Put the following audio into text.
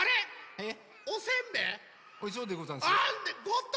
えっ⁉